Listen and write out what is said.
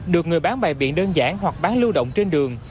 được người bán bài biển đơn giản hoặc bán lưu động trên đường